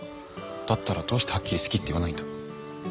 だったらどうしてはっきり好きって言わないんだ。